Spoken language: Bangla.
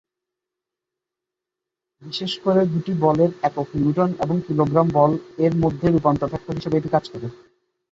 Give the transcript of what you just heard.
বিশেষ করে দুটি বলের একক নিউটন এবং কিলোগ্রাম-বল এর মধ্যে রূপান্তর ফ্যাক্টর হিসাবে এটি কাজ করে।